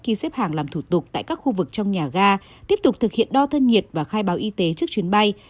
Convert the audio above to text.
khi xếp hàng làm thủ tục tại các khu vực trong nhà ga tiếp tục thực hiện đo thân nhiệt và khai báo y tế trước chuyến bay